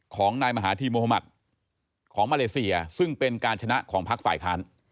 ของนายมหาธีมุธมัติของมาเลเซียซึ่งเป็นการชนะของพักฝ่ายค้าน